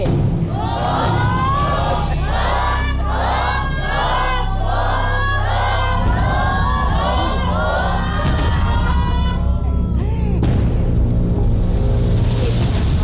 ตกแล้ว